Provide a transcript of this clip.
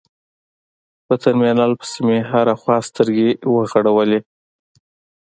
په ترمينل پسې مې هره خوا سترګې وغړولې.